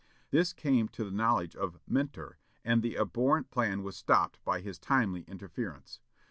This came to the knowledge of "Mentor" and the abhorrent plan was stopped by his timely interference.